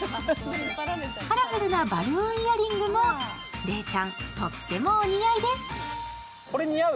カラフルなバルーンイヤリングも礼ちゃんとってもお似合いです。